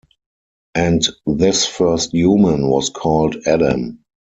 And this first human was called Adam.